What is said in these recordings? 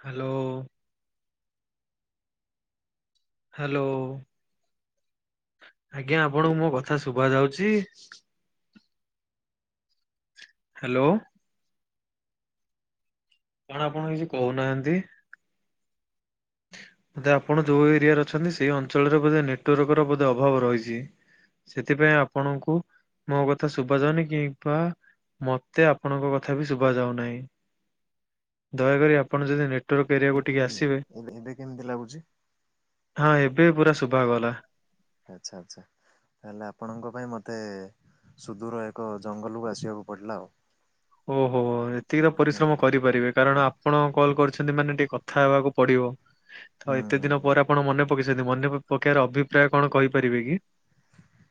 Hello. Hello ଆଜ୍ଞା ଆପଣଙ୍କୁ ମୋ କଥା ଶୁଭା ଯାଉଛି। ହ୍ୟାଲୋ। କଣ ଆପଣ କିଛି କହୁନାହାନ୍ତି? ବୋଧେ ଆପଣ ଯୋଉ ଏରିଆରେ ଅଛନ୍ତି। ସେଇ ଅଞ୍ଚଳରେ ବୋଧେ ନେଟୱାର୍କ ର ବୋଧେ ଅଭାବ ରହିଛି। ସେଥିପାଇଁ ଆପଣଙ୍କୁ ମୋ କଥା ଶୁଭା ଯାଉନି କିମ୍ବା ମତେ ଆପଣଙ୍କ କଥା ବି ଶୁଭାଯାଉନାହିଁ ଦୟାକରି ଆପଣ ଯଦି ନେଟୱର୍କ ଏବେ ଏରିଆକୁ ଟିକେ କେମିତି ଆସିବେ? ଏବେ ଏବେ କେମିତି ଲାଗୁଛି? ହଁ ଏବେ ପୁରା ଶୁଭା ଗଲା। ଆଚ୍ଛା ଆଚ୍ଛା। ତାହେଲେ ଆପଣଙ୍କ ପାଇଁ ମୋତେ ସୁଦୂର ଏକ ଜଙ୍ଗଲକୁ ଆସିବାକୁ ପଡ଼ିଲା ଆଉ। ଓହୋ ଏତିକି ତ ହୁଁ ପରିଶ୍ରମ କରିବ। ପାରିବେ କାରଣ ଆପଣ କଲ୍ କରିଛନ୍ତି ମାନେ ଟିକେ କଥା ହେବାକୁ ପଡିବ ତ ହୁଁ ଏତେ ହୁଁ ଦିନ ହୁଁ। ପରେ। କଣ ମନେ ପକେଇଛନ୍ତି ମନେ ପକେଇବାର ଅଭିପ୍ରାୟ କଣ କହିପାରିବେ କି?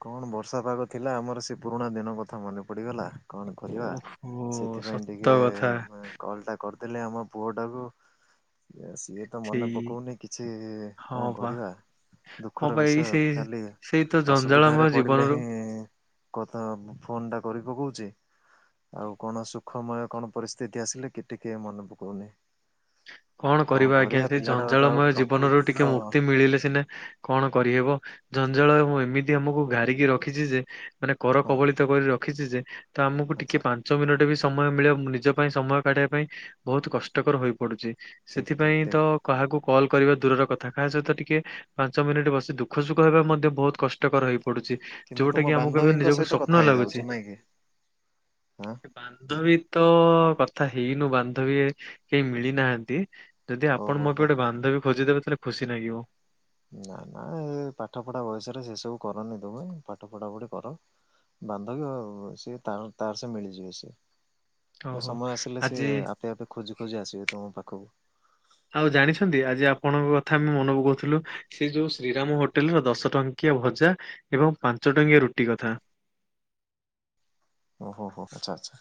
କଣ ବର୍ଷା ପାଗ ଥିଲା ଆମର ସେ ପୁରୁଣା ଦିନ କଥା ମନେ ପଡିଗଲା। କଣ କରିବା ଓହୋ ସେଥିପାଇଁ ସତ ଟିକେ କଥା ଏ - ମାନେ କଲ୍ ଟା କରିଦେଲେ ଆମ ପୁଅଟାକୁଏ ସିଏ ତ ସେଇ ମନେପକୌନି ହଁ କିଛିକଣ ବା କରିବା ହଁ ଦୁଃଖର ବା ଏଇ ସେଇ ବିଷୟଖାଲି- ସେଇ ତ ଜନ ସୁବିଧାରେ ପଡିଲେ ହିଁ କଥା ଫୋନ ଟା କରି ପକଉଛି। ଆଉ କଣ ସୁଖମୟ କଣ ପରିସ୍ଥିତି ଆସିଲେ କି ଟିକେ ମନେ ପକାଉନି। କଣ କରିବା ଆଜ୍ଞା ସେ ପିଲାଟା ତ ଆଉ ଜଞ୍ଜାଳମୟ ଜୀବନରୁ ପ୍ରକୃତି ତ ଟିକେ ମୁକ୍ତି ମିଳିଲେ ସିନା! କଣ କରିହେବ ଜଞ୍ଜାଳ ରେ ମୁ ଏମିତି ଆମକୁ ଘାରିକି ରଖିଛି ଯେ ମାନେ କର ହଁ ହଁ କବଳିତ କରି ରଖିଛି ଯେ ତ ଆମକୁ ଆଚ୍ଛା ଟିକେ ପା ପାଞ୍ଚ ମିନିଟ ବି ସମୟ ମିଳିବ ନିଜ ପାଇଁ ସମୟ କାଢ଼ିବା ପାଇଁ ବହୁତ କଷ୍ଟକର ହୋଇ ପଡୁଛି। ଠିକ୍ ଠିକ୍ ସେଥିପାଇଁ ଠିକ୍। ତ କାହାକୁ କଲ୍ କରିବା ଦୂରର କଥା କାହା ସହିତ ଟିକେ ପାଞ୍ଚ ମିନିଟ୍ ବସି ଦୁଃଖସୁୁଖ ହେବା ମଧ୍ୟ ବହୁତ କଷ୍ଟ ଟକର ହେଇପଡୁଛି କିନ୍ତୁ ଯୋଉଟା ତୁମ କି ଆମକୁ ଏବେ ବାନ୍ଧବୀଙ୍କ ନିଜକୁ ସହିତ କଥା ସ୍ୱପ୍ନ ହେଇଯାଉଛ ଲାଗୁଛି ନାଇଁ କି ଆଁ ବାନ୍ଧବୀ ତ କଥା ହେଇନୁ ବାନ୍ଧବୀ କେହି ମିଳି ନାହାନ୍ତି ଯଦି ଆପଣ ଓହୋ ମୋ ପାଇଁ ହୋ। ଗୋଟେ ବାନ୍ଧବୀ ଖୋଜିଦେବେ ତାହେଲେ ଖୁସି ନାଗିବ ନା ନା ଏ ପାଠ ପଢା ବୟସରେ ସେସବୁ କରନି ତୁମେ ପାଠ ପଢାପଢି କର ବାନ୍ଧବୀ ଅ ସିଏ ତାର ତାର ସେ ମିଳିଯିବେ ସିଏ ସେ ଓହୋ। ସମୟ ଆସିଲେ ସେ ଆଜି ଆପେ ଆପେ ଖୋଜି ଖୋଜି ଆସିବେ ତମ ପାଖକୁ ଆଉ ଜାଣିଛନ୍ତି ଆଜି ଆପଣଙ୍କ କଥା ଆମେ ମନେ ପକଉଥିଲୁ ସେ ଯୋଉ ଶ୍ରୀରାମ ହୋଟେଲର ଦଶ ଟଙ୍କିଆ ଭଜା ଏବଂ ପାଞ୍ଚ ଟଙ୍କିଆ ରୁଟି କଥା ଓ ହୋ ହୋ ଆଚ୍ଛା ଆଚ୍ଛା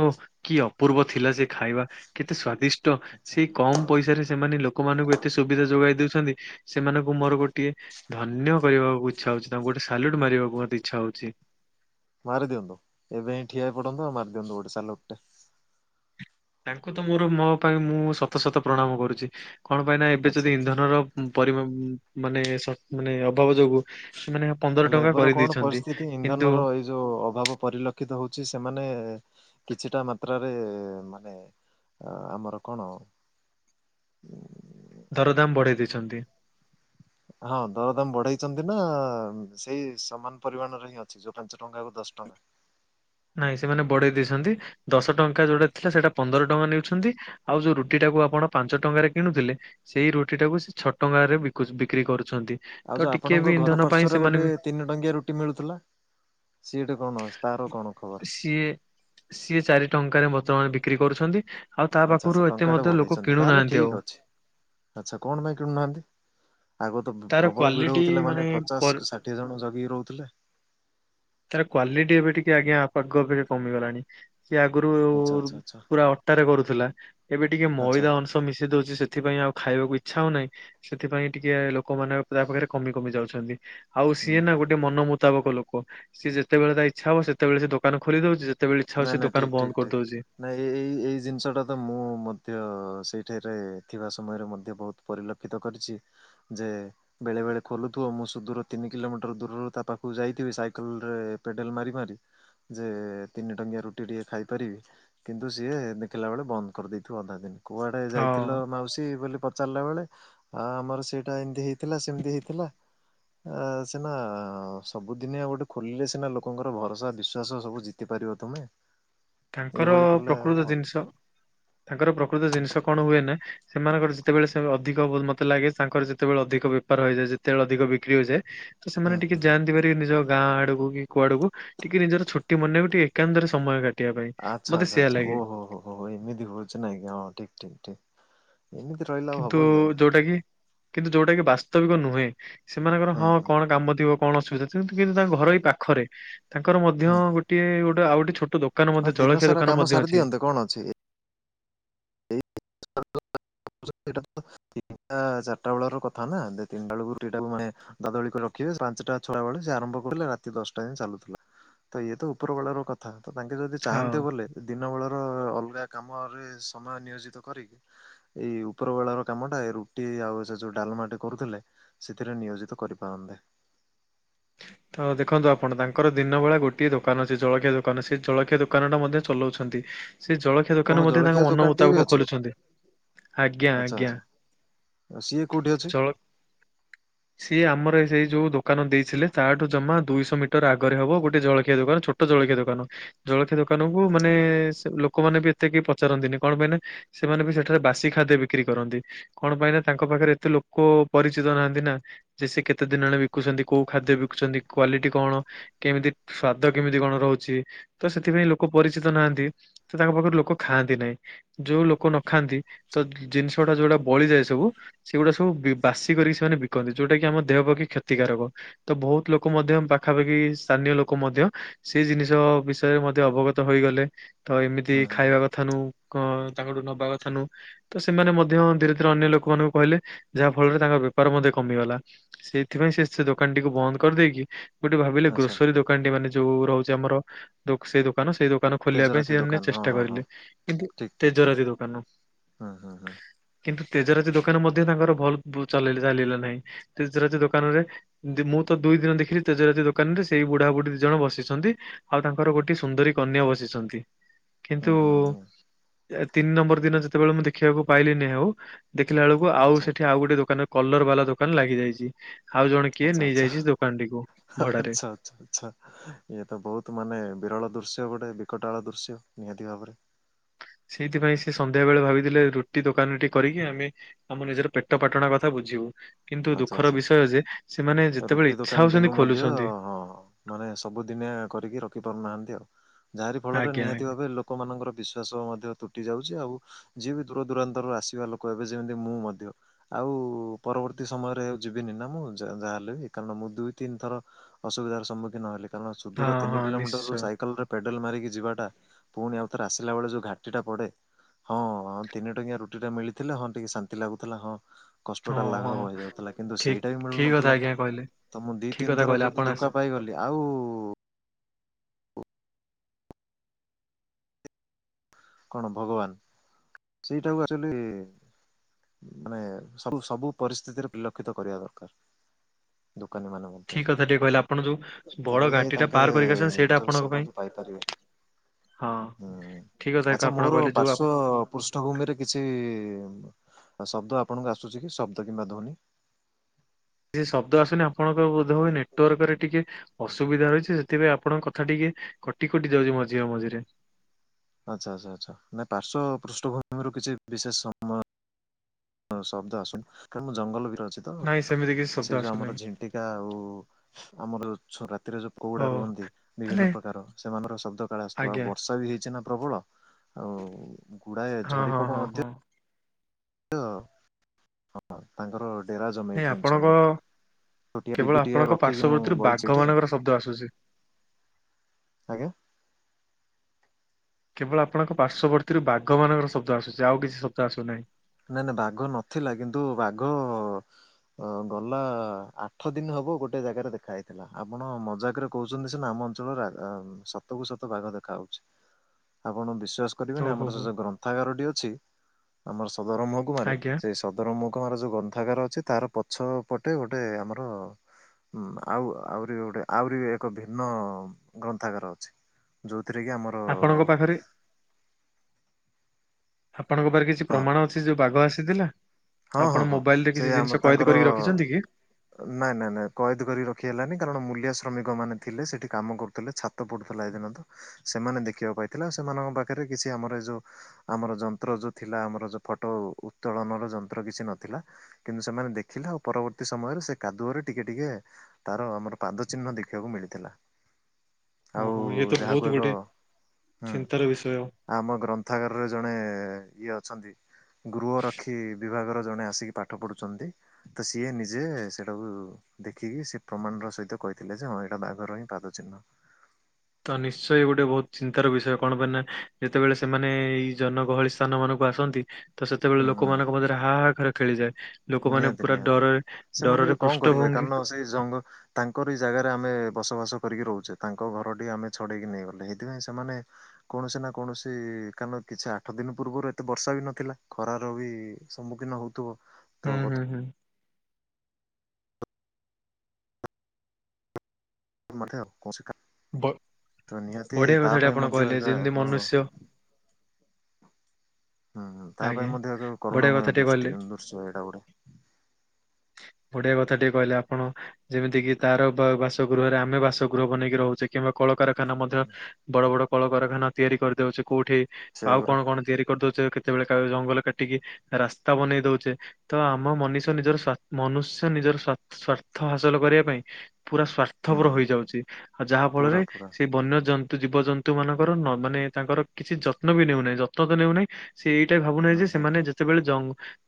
ଓ କି ଅପୂର୍ବ ଥିଲା ସେ ଖାଇବା କେତେ ସ୍ଵାଦିଷ୍ଟ ଆଚ୍ଛା ସେ କମ ପଇସାରେ ସେମାନେ ଲୋକମାନଙ୍କୁ ଏତେ ସୁବିଧା ଯୋଗାଇ ଦେଉଛନ୍ତି। ସେମାନଙ୍କୁ ମୋର ଗୋଟିଏ ଧନ୍ୟ କହିଁବାକୁ ଇଚ୍ଛା ହଉଛି ତାଙ୍କୁ ଗୋଟେ ସାଲ୍ୟୁଟ ମାରିବାକୁ ମୋତେ ଇଚ୍ଛା ହଉଛି। ମାରିଦିଅନ୍ତୁ ଏବେ ହି ଠିଆ ହେଇ ପଡନ୍ତୁ ଆଉ ମାରି ଦିଅନ୍ତୁ ଗୋଟେ ସାଲ୍ୟୁଟଟେ ତାଙ୍କୁ ତ ମୋର ମୋ ପାଇଁ ମୁଁ ସତ ସତ ପ୍ରଣାମ କରୁଛି କଣ ପାଇଁ ନା ଏବେ ଆଚ୍ଛା। ଯଦି ଇନ୍ଧନର ପରିମା ମାନେ ଶ୍ ମାନେ ଅଭାବ ଯୋଗୁ ସେମାନେ ପନ୍ଦର ହେଲେ ଟଙ୍କା ଏବର କଣ କରିଦେଇଛନ୍ତି ପରିସ୍ଥିତି କିନ୍ତୁ ଇନ୍ଧନର ଏଇ ଯୋଉ ଅଭାବ ପରିଲକ୍ଷିତ ହଉଛି ସେମାନେ କିଛିଟା ମାତ୍ରାରେ ମାନେ ଅ ଆମର କଣ [inaudible] ଦରଦାମ ବଢ଼େଇ ଦେଇଛନ୍ତି ହଁ ଦରଦାମ ବଢେଇଛନ୍ତି ନା ସେଇ ସମାନ ପରିମାଣରେ ହିଁ ଅଛି ଯୋଉ ପାଞ୍ଚ ଟଙ୍କା ଆଉ ଦଶ ଟଙ୍କା ନାଇଁ ସେମାନେ ବଢେଇ ଦେଇଛନ୍ତି ଦଶ ଟଙ୍କା ଯୋଉଟା ଥିଲା ସେଟା ପନ୍ଦର ଟଙ୍କା ନେଉଛନ୍ତି ଆଉ ଯୋଉ ରୁଟିଟାକୁ ଆପଣ ପାଞ୍ଚ ଟଙ୍କାରେ କିଣୁଥିଲେ ସେଇ ରୁଟିଟାକୁ ସେ ଛ ଟଙ୍କାରେ ବିକୁ ବିକ୍ରି କରୁଛନ୍ତି ତ ଆଉ ଯୋଉ ଟିକେ ବି ଆପଣଙ୍କ ଘର ଇନ୍ଧନ ପାଇଁ ପାର୍ଶ୍ଵରେ ସେମାନେ ଗୋଟେ ବି ତିନି ଟଙ୍କିଆ ରୁଟି ମିଳୁଥିଲା ସିଏଟା କଣ ଅଛି ତାର କଣ ଖବର ସିଏ ସିଏ ଚାରି ଟଙ୍କାରେ ବର୍ତ୍ତମାନ ବିକ୍ରି କରୁଛନ୍ତି ଆଉ ତା ଆଚ୍ଛା ଆଚ୍ଛା ପାଖରୁ ଏତେ ଟଙ୍କାଟେ ମଧ୍ୟ ଲୋକ ବଢେଇଛନ୍ତି ତାହେଲେ କିଣୁନାହାନ୍ତି ଠିକ୍ ଆଉ ଅଛି ଆଚ୍ଛା କଣ ପାଇଁ କିଣୁନାହାନ୍ତି? ଆଗ ତ ତାର ପ୍ରବଳ ଭିଡ କ୍ଵାଲିଟି ହଉଥିଲା ମାନେ ପର ପଚାଶ ଷାଠିଏ ଜଣ ଜଗିକି ରହୁଥିଲେ। ତାର କ୍ୱାଲିଟି ଏବେ ଟିକେ ଆଜ୍ଞା ଆପଗ ପେଖ୍ୟା କମିଗଲାଣି। ସିଏ ଆଗରୁ ଆଚ୍ଛା ଆଚ୍ଛା ଆଚ୍ଛା ପୁରା ଅଟାରେ କରୁଥିଲା ଏବେ ଟିକେ ଆଚ୍ଛା ମଇଦା ଅଂ। ଶ ମିଶେଇ ଦଉଛି ସେଥିପାଇଁ ଆଉ ଖାଇବାକୁ ଇଛା ହଉ ନାହିଁ ସେଥିପାଇଁ ଟିକେ ଲୋ ଲୋକମାନେ ତା ପାଖରେ କମି କମି ଯାଉଛନ୍ତି ଆଉ ହୁଁ ସିଏ ନା ହୁଁ। ଗୋଟେ ଗେ ମନ ମୁତାବକ ଲୋକ ସିଏ ଯେତେବେଳେ ତା ଇଚ୍ଛା ହବ ସେତେବେଳେ ସେ ଦୋକାନ ଖୋଲିଦେଉଚି। ଯେତେବେଳେ ଇଚ୍ଛା ନାଇଁ ହଉଛି ନାଇଁ ଠିକ ଦୋକାନ ଠିକ ବନ୍ଦ ଠିକ କରିଦଉଛି। ନାଇଁ ଏ ଏଇ ଏଇ ଜିନିଷଟା ତ ମୁଁ ମଧ୍ୟ ସେଇଠାରେ ଥିବା ସମୟରେ ମଧ୍ୟ ବହୁତ ପରିଲକ୍ଷିତ କରିଛି ଯେ ବେଳେବେଳେ ଖୋଲୁଥିବ ମୁଁ ସୁଦୂର ତିନି କିଲୋମିଟର ଦୂରରୁ ତା ପାଖକୁ ଯାଇଥିବି ସାଇକେଲରେ ପେଡେଲ ମାରି ମାରି ଯେ ତିନି ଟଙ୍କିଆ ରୁଟି ଟିକେ ଖାଇପାରିବି କିନ୍ତୁ ସିଏ ଦେଖିଲା ବେଳେ ବନ୍ଦ କରିଦେଇଥିବ ଅଧା ଦିନ କୁଆଡେ ହଁ ଯାଇଥିଲ ମାଉସୀ ବୋଲି ପ ଚାରିଲା ବେଳେ ଆ ଆମର ସେଇଟା ଏମିତି ହେଇଥିଲା ସେମିତି ହେଇଥିଲା। ଆ ସିନା ସବୁଦିନିଆ ଗୋଟେ ଖୋଲିଲେ ସିନା ଲୋକଙ୍କର ଭରସା ବିଶ୍ଵାସ ସବୁ ଜି ତି ପାରିବ ତମେ ତାଙ୍କର ପ୍ରକୃତ ଜିନିଷ ତାଙ୍କର ପ୍ରକୃତ ଜିନିଷ କଣ ହୁଏନା ସେମାନଙ୍କର ଯେତେବେଳେ ସେ ଅଧିକ ମତେ ଲାଗେ ତାଙ୍କର ଯେତେବେଳେ ଅଧିକ ପାର ହେଇଯାଏ ଯେତେବେଳେ ଅଧିକ ବିକ୍ରି ହୋଇଯାଏ ତ ହୁଁ ସେମାନେ ଟିକେ ହୁଁ ହୁଁ ଯାଆନ୍ତି। ଟିକେ ନିଜ ଗାଁ ଆଡକୁ କି କୁଆଡକୁ ଟିକେ ନିଜର ଛୁଟି ମନେଇବାକୁ ଟିକେ ଏକାନ୍ତରେ ସମୟ କା ଆଚ୍ଛା ଆଚ୍ଛା ଆଚ୍ଛା ଓ ହୋ ହୋ ହୋ ଏମିତି କରୁଛି ନାଇକି ହଁ ଠିକ ଠିକ ଠିକ। ଏମିତି ରହିଲେ। ଆଉ କିନ୍ତୁ ହବ କି ଆଜ୍ଞା ଯୋଉଟା କି କିନ୍ତୁ ଯୋଉଟା କି ବାସ୍ତବିକ ନୁହେଁ ସେମାନଙ୍କର ହୁଁ ହଁ ହୁଁ କଣ କାମ ଥିବ। କଣ ସୁବିଧା କିନ୍ତୁ କିନ୍ତୁ ତାଙ୍କ ଘର ଏଇ ପାଖରେ ତାଙ୍କର ମଧ୍ୟ ହୁଁ ଗୋଟେ ଗୋଟେ ଆଉ ଗୋଟେ ଛୋଟ ଦୋକ ଦୋକାନ ହଁ ମଧ୍ୟ ଦିନ ଚଳଖିଆ ସାରା ଦୋକାନ କାମ ମଧ୍ୟ ସାରି ଅଛି। କଣ ଅଛି? ଏ [inaudible] ସେଇଟା ତିନିଟା ଚାରିଟା ବେଳ ର କଥା ନା ତିନିଟା ବେଳଇଟା ମାନେ [unintelligible] ଦାଦୁଳି [unintelligible] କୁ ରଖିବେ ପାଞ୍ଚଟା ଛଅଟା ବେଳେ ସେ ଆରମ୍ଭ କରେ ରାତି ଦଶଟା ଯାଏ ଚାଲୁଥିଲା। ତ ଇଏ ତ ଉପର ବେଳର କଥା ତ ତାଙ୍କେ ଯଦି ହଁ। ଚାହାନ୍ତେ ବୋଲେ ଦିନ ବେଳର ଅଲଗା କାମରେ ସମୟ ନିୟୋଜିତ କରିକି ଏଇ ଉପର ବେଳ ର କାମଟା ଏଇ ରୁଟି ଆଉ ସେ ଯୋଉ ଡାଲମାଟି କରୁଥିଲେ। ସେଥିରେ ନିୟୋଜିତ କରିପାରନ୍ତେ। ତ ଦେଖନ୍ତୁ ଆପଣ ତାଙ୍କର ଦିନବେଳା ଗୋଟିଏ ଦୋକାନ ଅଛି ଜଳଖିଆ ଦୋକାନ ସେ ଜଳଖିଆ ଦୋକାନଟା ମଧ୍ୟ ଚଲାଉଛନ୍ତି। ସେ ଜଳଖିଆ ଓହୋ ଦୋକାନ ମଧ୍ୟ ଜଳଖିଆ ତାଙ୍କ ମନ ଦୋକାନ ଟିଏ ବି ମୁତାବକ ଅଛି ଖୋଲୁଛନ୍ତି ଆଜ୍ଞା ଆଜ୍ଞା। ଆଉ ସିଏ କୋଉଠି ଅଛି? ଜଳ ସିଏ ଆମର ସେଇ ଯୋଉ ଦୋକାନ ଦେଇଥିଲେ। ତାଠୁ ଜମା ଦୁଇଶହ ମିଟର ଆଗରେ ହବ ଗୋଟେ ଜଳଖିଆ ଦୋକାନ ଛୋଟ ଜଳଖିଆ ଦୋକାନ। ଜଳଖିଆ ଦୋକାନକୁ ଆଚ୍ଛା ମାନେ ସେ ଲୋକମାନେ ବି ଏତେ କେହି ପଚାରନ୍ତିନି କଣ ପାଇଁ ନା ସେମାନେ ବି ସେଠାରେ ବାସି ଖାଦ୍ୟ ବିକ୍ରି କରନ୍ତି। କଣ ପାଇଁ ନା ତାଙ୍କ ପାଖରେ ଏତେ ଲୋକ ପରିଚିତ ନାହାନ୍ତି ନା। ଯେ ସେ କେତେ ଦିନ ହେଲାଣି ବିକୁଛନ୍ତି କୋଉ ଖାଦ୍ୟ ବିକୁଛନ୍ତି କ୍ଵାଲିଟି କଣ? କେମିତି ସ୍ଵାଦ କେମିତି କଣ ରହୁଛି ତ ସେଥିପାଇଁ ଲୋକ ପରିଚିତ ନାହାନ୍ତି। ତ ତାଙ୍କ ପାଖରୁ ଲୋକ ଖାଆନ୍ତି ନାହିଁ ଯୋଉ ଲୋକ ନ ଖାଆନ୍ତି ଆଚ୍ଛା। ଆଚ୍ଛା ତ ଜିନିଷ ଟା ଯୋଉଟା ବଳିଯାଏ ସବୁ ସେଗୁଡା ସବୁ ବାସି କରିକି ସେମାନେ ବିକନ୍ତି ଯୋଉଟା କି ଆମ ଦେହ ପକ୍ଷେ କ୍ଷତିକାରକ। ତ ବହୁତ ଲୋକ ମଧ୍ୟ, ପାଖାପାଖି ସ୍ଥାନୀୟ ଲୋକ ମଧ୍ୟ ସେ ଜିନିଷ ବିଷୟରେ ମଧ୍ୟ ଅବଗତ ହୋଇଗଲେ, ତ ଏମିତି ହୁଁ ହୁଁ ହୁଁ ଖାଇବା କଥା ନୁହେଁ। କ ତାଙ୍କ ଠୁ ନବା କଥା ନୁହଁ। ତ ସେମାନେ ମଧ୍ୟ ଧୀରେ ଧୀରେ ଅନ୍ୟ ଲୋକମାନଙ୍କୁ କହିଲେ, ଯାହା ଫଳରେ ତାଙ୍କର ବେପାର ମଧ୍ୟ କମିଗଲା। ସେଇଥିପାଇଁ ସେ ସେ ଦୋକାନଟିକୁ ବନ୍ଦ କରିଦେଇକି ଗୋଟେ ଭାବିଲେ ଆଚ୍ଛା ଗ୍ରୋସରୀ ଦୋକାନଟି ମାନେ ଯୋଉ ରହୁଛି ଆମର ଦୋ ସେ ଦୋକାନ, ସେଇ ଦୋକାନ ଦୋକାନ ଖୋଲିବା ପାଇଁ ତେଜରାତି ସେମାନେ ଦୋକାନ ହଁ ଚେଷ୍ଟା ହଁ ହଁ କରିଲେ, କିନ୍ତୁ ଠିକ ଠିକ ଠିକ ତେଜରାତି ଦୋକାନ। ହୁଁ ହୁଁ ହୁଁ। କିନ୍ତୁ ତେଜରାତି ଦୋକାନ ମଧ୍ୟ ତାଙ୍କର ଭଲ ଚଲେଇଲେ ଚାଲିଲା ନାହିଁ। ତେଜରାତି ଦୋକାନ ରେ ମୁଁ ତ ଦୁଇ ଦିନ ଦେଖିଲି ତେଜରାତି ଦୋକାନ ରେ ସେଇ ବୁଢ଼ାବୁଢୀ ଦି ଜଣ ବସିଛନ୍ତି। ଆଉ ତାଙ୍କର ଗୋଟେ ସୁନ୍ଦରୀ କନ୍ୟା ବସିଛନ୍ତି। କିନ୍ତୁ, ହୁଁ ହୁଁ ହୁଁ ତିନି ନମ୍ବର ଦିନ ଯେତେବେଳେ ମୁଁ ଦେଖିବାକୁ ପାଇଲିନି ଆଉ, ଦେଖିଲା ବେଳକୁ ଆଉ ଆଚ୍ଛା ସେଠି ଆଉ ଗୋଟେ ଦୋକାନ କଲର ବାଲା ଦୋକାନ ଲାଗି ଯାଇଛି, ଆଉ ଜଣେ କିଏ ଆଚ୍ଛା ଆଚ୍ଛା ନେଇଯାଇଛି ସେ ଦୋକାନଟିକୁ ଭଡାରେ ଆଚ୍ଛା। ଆଛ ଆଚ୍ଛା, ଇଏ ତ ବହୁତ ମାନେ ବିରଳ ଦୃଶ୍ୟ ଗୋଟେ, ବିକଟାଳ ଦୃଶ୍ୟ ନିହାତି ଭାବରେ। ସେଇଥିପାଇଁ ସେ ସନ୍ଧ୍ୟା ବେଳେ ଭାବିଥିଲେ ରୁଟି ଦୋକାନଟି କରିକି ଆମେ ଆମ ନିଜର ପେଟ ପାଟଣା କଥା ବୁଝିବୁ। କିନ୍ତୁ ଆଚ୍ଛା ଦୁଃଖର ଆଚ୍ଛା ବିଷୟ ଯେ ସେମାନେ ରୁଟି ଯେତେବେଳେ ଇଚଛା ଦୋକାନଟିକୁ ହଉଛନ୍ତି ମଧ୍ୟ ଖୋଲୁଛନ୍ତି। ମାନେ ସବୁ ଦିନିଆ କରିକି ରଖି ପାରୁନାହାନ୍ତି ଆଉ, ଯାହାରି ଫଳରେ ଆଜ୍ଞା ନିହାତି ଆଜ୍ଞା ଭାବେ ଲୋ ଲୋକମାନଙ୍କର ବିଶ୍ୱାସ ମଧ୍ୟ ତୁଟି ଯାଉଛି ଆଉ ଯିଏ ବି ଦୂର ଦୂରାନ୍ତରୁ ଆସିବା ଲୋକ ଏବେ ଯେମିତି ମୁଁ ମଧ୍ୟ, ଆଉ ପରବର୍ତ୍ତୀ ସମୟରେ ଆଉ ଯିବିନି ନା ମୁଁ ଯାହା ହେଲେ ବି କାରଣ ମୁଁ ଦୁଇ ତିନିଥର ଅସୁବିଧାର ସମ୍ମୁଖୀନ ହେଲି। କାରଣ ହଁ ସୁଦୂର ତିନି ହଁ କିଲୋମିଟରରୁ ନିଶ୍ଚୟ ସାଇକେଲରେ ପେଡେଲ ମାରିକି ଯିବାଟା, ପୁଣି ଆଉଥରେ ଆସିଲା ବେଳେ ଯୋଉ ଘାଟିଟା ପଡେ। ହଁ ହଁ ତିନି ଟଙ୍କିଆ ରୁଟି ଟା ମିଳିଥିଲେ ହଁ ଟିକେ ଶାନ୍ତି ଲାଗୁଥିଲା ହଁ କଷ୍ଟ ହଁ ଟା ହଁ ଲାଘବ ହଉଥିଲା କିନ୍ତୁ ଠିକ ସେଇଟା ବି ଠିକ କଥା ମିଳୁନଥିଲା, ଆଜ୍ଞା କହିଲେ ତ ମୁଁ ଦି ଠିକ ତିନି କଥା ଥର କହିଲେ ଯଦି ଆପଣ ଆସ ଧୋକା ପାଇଗଲି ଆଉ କଣ ଭଗବାନ, ସେଇଟାକୁ ଆକଚୁଆଲି ମାନେ ସବୁ ସବୁ ପରିସ୍ଥିତିରେ ପରିଲକ୍ଷିତ କରିବା ଦରକାର। ଦୋକାନୀ ମାନଙ୍କୁ। ଠିକ କଥା ଟିକେ କହିଲେ ଆପଣ ଯୋଉ ବଡ ଘାଟି ଟା ତାଙ୍କେ ପାର କରିକି ଆସଛନ୍ତି ସେଇଟା ଯୋଉ ଆପଣଙ୍କ ସେବାଟି ପାଇପାରିବେ ପାଇଁ ହଁ। ହୁଁ। ଠିକ କଥା ଏକ ଆଚ୍ଛା ଆପଣ ମୋର କହିଲେ ଯୋଉ ଆପ ପାର୍ଶ୍ଵ ପୃଷ୍ଠଭୂମିରେ କିଛି ଶବ୍ଦ ଆପଣଙ୍କୁ ଆସୁଛି କି ଶବ୍ଦ କିମ୍ବା ଧ୍ୱନି? କିଛି ଶବ୍ଦ ଆସୁନି ଆପଣଙ୍କ ବୋଧ ହୁଏ ନେଟୱାର୍କ ରେ ଟିକେ ଅସୁବିଧା ରହିଛି ସେଥିପାଇଁ ଆପଣଙ୍କ କଥା ଟିକେ କଟି କଟି ଯାଉଛି ମଝିରେ ମଝିରେ। ଆଚ୍ଛା ଆଛା ଆଛା ନା ପାର୍ଶ୍ୱ ପୃଷ୍ଠଭୂମିରୁ କିଛି ବିଶେଷ ସମୟ ଶବ୍ଦ ଆସୁନି, କାରଣ ମୁଁ ଜଙ୍ଗଲ ଭିତରେ ଅଛି ତ, ନାଇଁ ସେମିତି କିଛି ଶବ୍ଦ ସେ ଯୋଉ ଆମର ଆସୁନାହିଁ ଝି ଣ୍ଟିକା ଆଉ ଆମର ଛ ରାତିରେ ଯୋଉ ପୋକ ଓ ଗୁଡ଼ା ରୁହନ୍ତି ତାହେଲେ ବିଭିନ୍ନ ପ୍ରକାର ସେମାନଙ୍କର ଶବ୍ଦକାଳ ଆସୁଥିବ, ଆଉ ଆଜ୍ଞା ବର୍ଷା ବି ହେଇଛି ନା ପ୍ରବଳ, ଆଉ ଗୁଡାଏ ହଁ ଝଡି ହଁ ପୋକ ହଁ ମଧ୍ୟ ହଁ ହଁ ତାଙ୍କର ଡେରା ଜମେଇ ନାଇଁ ଆପଣଙ୍କ ଦେଇଛନ୍ତି ଏଇଠି। କେବଳ ଭି ଟିକେ ଆପଣଙ୍କ ରଖିକି ମୁଁ ପାର୍ଶ୍ୱବର୍ତ୍ତୀରୁ ବାଘ ବଇଛି ଏଠି। ମାନଙ୍କର ଶବ୍ଦ ଆସୁଛି ଆଜ୍ଞ। କେବଳ ଆପଣଙ୍କ ପାର୍ଶ୍ୱବର୍ତ୍ତୀ ବାଘମାନଙ୍କର ଶବ୍ଦ ଆସୁଛି ଆଉ କିଛି ଶବ୍ଦ ଆସୁନାହିଁ। ନାଇଁ ନାଇ ବାଘ ନଥିଲା କିନ୍ତୁ ବାଘ ଅ ଗଲା ଆଠ ଦିନ ହବ ଗୋଟେ ଜାଗାରେ ଦେଖା ହେଇଥିଲା ଆପଣ ମଜାକରେ କହୁଛନ୍ତି ସନା ଆମ ଅଞ୍ଚଳର ସତ କ ସତ ବାଘ ଦେଖା ହଉଛି ଆପଣ ବିଶ୍ଵାସ କରିବେନି ଓହୋ ଆମର ସେ ହୋ ଯ ଗ୍ରନ୍ଥାଗାରଟି ଅଛି ଆମର ସଦର ମହକୁମାରେ ଆଜ୍ଞା ସେ ସଦରମଖମାର ଯୋଉ ଗନ୍ଥାଗାର ଅଛି ତାର ପଛ ପଟେ ଗୋଟେ ଆମର ହୁଁ ଆଉ ଆହୁରି ଗୋଟେ ଆହୁରି ଏକ ଭିନ୍ନ ଗ୍ରନ୍ଥାଗାର ଅଛି। ଯଉଥିରେ କି ଆମ ଆପଣଙ୍କ ପାଖରେ ଆପଣଙ୍କ ପାଖରେ କିଛି ହଁ ପ୍ରମାଣ ଅଛି ଯୋଉ ବାଘ ଆସିଥିଲା। ହଁ ହଁ ଆପଣ ହଁ ମୋବାଇଲ ରେ ସେ କିଛି ଆମର ଜିନିଷ କଏଦି ତାଙ୍କର କରିକି ରଖିଛନ୍ତି କି? ନାଇଁ ନାଇଁ ନାଇଁ କଏଦ କରି ରଖି ହେଲାନି କାରଣ ମୂଲିଆ ଶ୍ରମିକ ମାନ ଥିଲେ ସେଠି କାମ କରୁଥିଲେ ଛାତ ତ ପଡୁଥିଲା ଏଇ ଦିନ ତ ସେମାନେ ଦେଖିବାକୁ ପାଇଥିଲେ ଆଉ ସେମାନଙ୍କ ପାଖରେ କିଛି ଆମର ଏ ଯଉ ଆମର ଯନ୍ତ୍ର ଯୋଉ ଥିଲା ଆମର ଯୋଉ ଫଟୋ ଉତ୍ତୋଳନ ର ଯନ୍ତ୍ର ଉପର କିଛି ନଥିଲା କିନ୍ତୁ ସେମାନେ ଦେଖିଲେ ଆଉ ପରବର୍ତ୍ତୀ ସମୟରେ ସେ କାଦୁଅରେ ଟିକେ ଟିକେ ତାର ଆମର ପାଦ ଚିହ୍ନ ଦେଖିବାକୁ ମିଳିଥିଲା। ଆଉ ଓହୋ ଇଏ ତ ଯାହାକୁ ବହୁତ ଏକ ଗୋଟେ ହୁଁ ଚିନ୍ତାର ବିଷୟ ଆମ ଗ୍ରନ୍ଥାଗାରରେ ଜଣେ ଇଏ ଅଛନ୍ତି ଗୃହ ରଖି ବିଭାଗର ଜଣେ ଆସିକି ପାଠ ପଢ଼ୁଛନ୍ତି ତ ସିଏ ନିଜେ ସେଇଟାକୁ ଦେଖିକି ସେ ପ୍ରମାଣର ସହିତ କହିଥିଲେ ଯେ ହଁ ଏଇଟା ବାଘର ହିଁ ପାଦ ଚିହ୍ନ। ତ ନିଶ୍ଚୟ ଗୋଟେ ବହୁତ ଚିନ୍ତାର ବିଷୟ କଣ ପାଇଁ ନା ଯେତେବେଳେ ସେମାନେ ଏଇ ଜନଗହଳି ସ୍ଥାନ ମାନଙ୍କୁ ଆସନ୍ତି ତ ସେତେବେଳେ ହୁଁ ହୁଁ ଲୋକମାନଙ୍କ ମଧ୍ୟରେ ହା ହା ଖର ଖେଳିଯାଏ। ଲୋକମାନେ ନିହାତି ପୁରା ନିହାତି ଡରରେ ସେମାନେ ବି ଡରରେ କଣ କରିବେ ପୃଷ୍ଠଭଙ୍ଗୀ କାରଣ ସେଇ ଜଙ୍ଗ ତାଙ୍କରି ଜାଗାରେ ଆମେ ବସବାସ କରିକି ରହୁଛେ ତାଙ୍କ ଘରଟି ଆମେ ଛଡ଼େଇକି ନେଇଗଲେ ହେଇଥିପାଇଁ ସେମାନେ କୌଣସି ନା କୌଣସି କାରଣ କିଛି ଆଠ ଦିନ ପୂର୍ବରୁ ଏତେ ବର୍ଷା ବି ନଥିଲା ଖରାର ବି ସମ୍ମୁଖୀନ ହଉଥିବ। ହଁ ତ ବୋଧେ ହଁ ହଁ। ଆ କୌଣସି ବ ତ ନିହାତି ବଢିଆ ତା କଥାଟେ ପାଇଁ ଆପଣ ମଧ୍ୟ କହିଲେ ଏକ ଯେମିତି ଏକ ମନୁଷ୍ୟ ହୁଁ ହୁଁ ତା ପାଇଁ ଆଜ୍ଞା ମଧ୍ୟ ଏକ ବଢିଆ କରୁଣମୟ କଥାଟେ କହିଲେ। ଦୃଷ୍ଟି ଦୃଶ୍ୟ ଏଇଟା ଗୋଟେ। ଗୋଡିଆ କଥା ଟିକେ କହିଲେ ଆପଣ ଯେମିତି କିି ତାର ବାସଗୃହରେ ଆମେ ବାସଗୃହ ବନେଇକି ରହୁଛେ। କିମ୍ବା କଳକାରଖାନା ମଧ୍ୟ ବଡ ବଡ କଳକାରଖାନା ତିଆରି କରିଦଉଛି କୋଉଠି। ସେଇଆ ଆଉ ପରା କଣ କଣ ତିଆରି କରିଦଉଚ। ଯେତେବେଳେ ଜଙ୍ଗଲ କାଟିକି ରାସ୍ତା ବନେଇ ଦଉଛେ ତ ଆମ ମଣିଷ ନିଜର ସାସ୍ଥ ମନୁଷ୍ୟ ନିଜର ସଵାର୍ଥ ହାସଲ କରିବା ପାଇଁ ପୁରା ସଵାର୍ଥ ସ୍ୱାର୍ଥପର ହୁଁ। ହୋଇଯାଉଛି ଆଉ ଯାହା ପୁରା ଫଳରେ ପୁରା ସେଇ ବନ୍ୟଜନ୍ତୁ ଜୀବଜନ୍ତୁ। ମାନଙ୍କର ମାନେ ତାଙ୍କର କିଛି ଯତ୍ନ ବି ନେଉନାହିଁ ଯତ୍ନ ତ ନେଉନାହିଁ ସେ ଏଇଟା ଭାବୁନାହିଁ ହୁଁ ଯେ ହୁଁ ସେମାନେ ହୁଁ ସେତେବେଳେ ଜ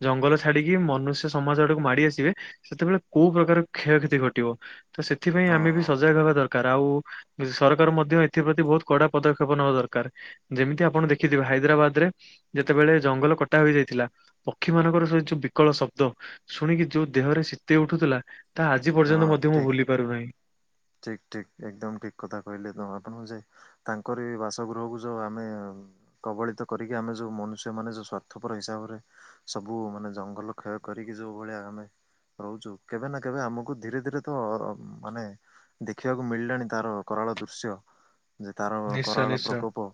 ଜଙ୍ଗଲ ଛାଡିକି ମନୁଷ୍ୟ ସମାଜ ଆଡକୁ ମାଡି ଆସି। ସେତେବେଳେ କୋଉ ପ୍ରକାର କ୍ଷକ୍ଷତି ଘଟିବ ତ ସେଥିପାଇଁ ହଁ ଆମେ ବି ହଁ ସଜାଗ ହଁ ହେବା ଦରକାର। ଦର ଆଉ ସରକାର ମଧ୍ୟ ଏଥିପ୍ରତି ବହୁତ କଡା ପଦକ୍ଷେପ ନେବା ଦରକାର। ଯେମିତି ଆପଣ ଦେଖିଥିବେ ହାଇଦ୍ରାବାଦ ରେ ଯେତେବେଳେ ଜଙ୍ଗଲ କଟା ହୋଇଯାଇଥିଲା ପକ୍ଷୀ ମାନଙ୍କର ସେ ଯୋଉ ବିକଳ ଶବ୍ଦ ଶୁଣିକି ଯୋଉ। ଦେହରେ ଶୀତେଇ ଉଠୁଥିଲା ତାହା ଆଜି ପର୍ଯ୍ୟନ୍ତ ମଧ୍ୟ ମୁଁ ଭୁଲି ପାରୁନାହିଁ। ଠିକ ଠିକ ଏକଦମ ଠିକ କଥା କହିଲେ ତ ଆପଣଙ୍କୁ ଯେ ତାଙ୍କର ବାସଗୃହକୁ ଯୋଉ ଆମେ କବଳିତ କରିକି ଆମେ ଯେଉଁ ମନୁଷ୍ୟମାନେ ଯେଉଁ ସ୍ୱାର୍ଥପର ହିସାବରେ ସବୁ ମାନେ ଜଙ୍ଗଲ କ୍ଷୟ କରିକି ଯୋଉ ଭଳିଆ ଆମେ ରହୁଛୁ। କେବେ ନା କେବେ ଆମକୁ କୁ ଧୀରେ ଧୀରେ ତ ମାନେ ଦେଖିବାକୁ ମିଳିଲାଣି ତାର କରାଳ ଦୃଶ୍ୟ। ଯେ ତାର ନିଶ୍ଚୟ କରାଳ ନିଶ୍ଚୟ ପ୍ରକୋପ।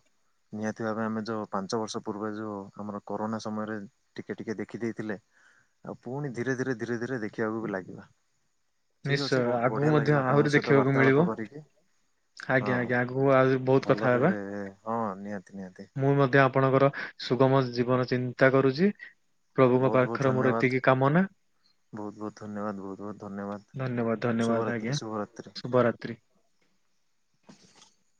ନିହାତି ଭାବେ ଆମେ ଯେଉଁ ପାଞ୍ଚ ବର୍ଷ ପୂର୍ବେ ଯେଉଁ ଆମର କରୋନା ସମୟରେ ଟିକେ ଟିକେ ଦେଖି ଦେଇଥିଲେ। ଆଉ ପୁଣି ଧୀରେ ଧୀରେ ଧୀରେ ଧୀରେ ଦେଖିବାକୁ ବି ଲାଗିବା। ଠିକ ନିଶ୍ଚୟ ଅଛି ବହୁତ ଆଗକୁ ବଢିଆ ମଧ୍ୟ ଲାଗିଲା ଆପଣଙ୍କ ଆହୁରି ସହିତ ଦେଖିବାକୁ ବାର୍ତ୍ତାଳାପ ମିଳିବ। କରିକି ଆଜ୍ଞା ହଁ। ଆଜ୍ଞା ଆଗକୁ ଆ ବହୁତ କଥା ଭଲରେ ହେବା। ହଁ ନିହାତି ନିହାତି ମୁଁ ମଧ୍ୟ ଆପଣଙ୍କର ସୁଗମ ଜୀବନ ଚିନ୍ତା କରୁଛି। ପ୍ରଭୁଙ୍କ ବହୁତ ବହୁତ ପାଖରେ ମୋର ଧନ୍ୟବାଦ। ଏତିକି କାମନା। ବହୁତ ବହୁତ ଧନ୍ୟବାଦ। ବହୁତ ବହୁତ ଧନ୍ୟବାଦ। ଧନ୍ୟବାଦ ଶୁଭରାତ୍ରି ଶୁଭରାତ୍ରି। ତ୍ରି [inaudible]